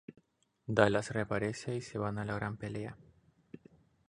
Dallas reaparece y se van a la gran pelea.